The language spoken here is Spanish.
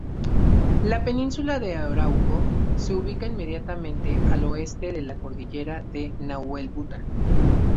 La península de Arauco se ubica inmediatamente al oeste de la cordillera de Nahuelbuta.